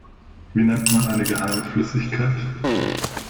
Wie nennt man eine geheime Flüssigkeit?